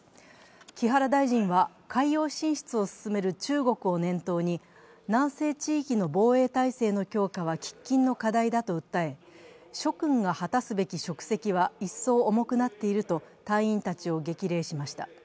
木原大臣は海洋進出を進める中国を念頭に、南西地域の防衛体制の強化は喫緊の課題だと訴え、諸君が果たすべき職責は一層重くなっていると隊員たちを激励しました。